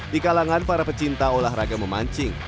di kalangan para pecinta olahraga memancing